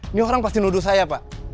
ini orang pasti nuduh saya pak